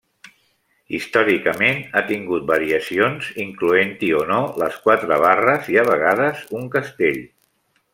Històricament, ha tingut variacions, incloent-hi o no les quatre barres i a vegades un castell.